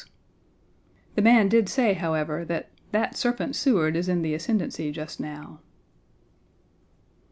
Page 18 The man did say, however that "that serpent Seward is in the ascendancy just now."